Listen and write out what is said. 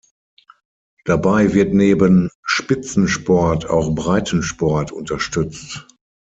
Dabei wird neben Spitzensport auch Breitensport unterstützt.